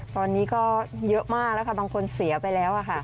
ตอนนี้ก็เยอะมากแล้วค่ะบางคนเสียไปแล้วค่ะ